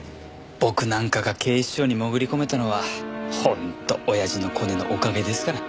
僕なんかが警視庁に潜り込めたのは本当親父のコネのおかげですから。